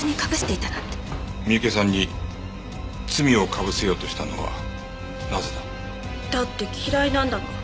三池さんに罪をかぶせようとしたのはなぜだ？だって嫌いなんだもん。